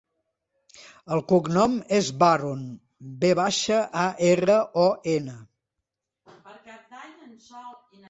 El cognom és Varon: ve baixa, a, erra, o, ena.